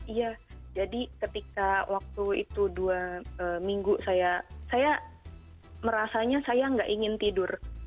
iya jadi ketika waktu itu dua minggu saya saya merasanya saya nggak ingin tidur